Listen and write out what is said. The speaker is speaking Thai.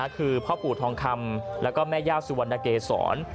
คือพ่อปู่ทองคำแล้วก็แม่ย่าสุวรรณเกษร